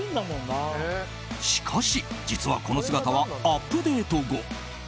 しかし、実はこの姿はアップデート後。